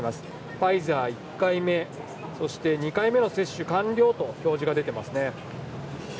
ファイザー１回目、そして２回目の接種完了と表示が出てますね。